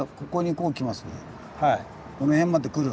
これもこの辺まで来る。